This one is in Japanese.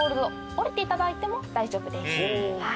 降りていただいても大丈夫です。